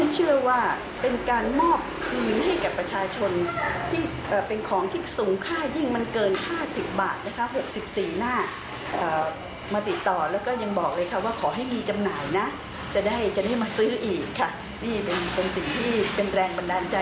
เฉพาะในนี้ได้ร่วมกันกับไทรรัฐนะครับ